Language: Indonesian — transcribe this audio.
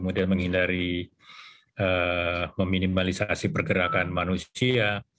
dan mengidari meminimalisasi pergerakan manusia